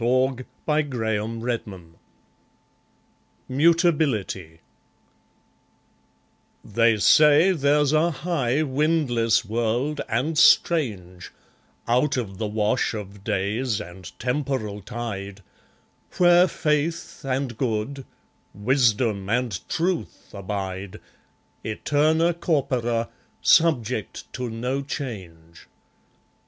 The Pacific, October 1913 Mutability They say there's a high windless world and strange, Out of the wash of days and temporal tide, Where Faith and Good, Wisdom and Truth abide, 'Aeterna corpora', subject to no change.